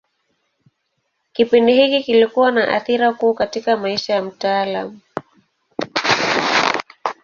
Kipindi hiki kilikuwa na athira kuu katika maisha ya mtaalamu.